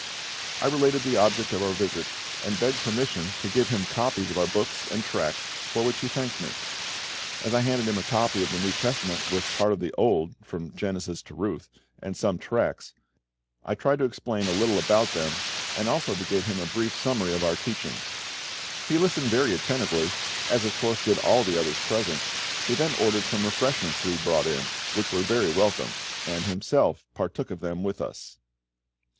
I related the object of our visit, and begged permission to give him copies of our books and tracts, for which he thanked me. As I handed him a copy of the New Testament with part of the Old (from Genesis to Ruth) and some tracts, I tried to explain a little about them, and also to give him a brief summary of our teachings. ... He listened very attentively, as of course did all the others present. He then ordered some refreshments to be brought in, which were very welcome, and himself partook of them with us.